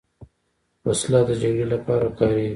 وسله د جګړې لپاره کارېږي